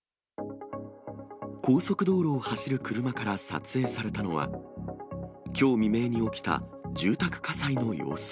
高速道路を走る車から撮影されたのは、きょう未明に起きた住宅火災の様子。